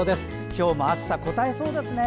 今日も暑さ、こたえそうですね。